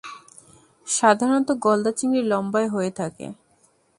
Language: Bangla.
সাধারণতঃ গলদা-চিংড়ি লম্বায় হয়ে থাকে।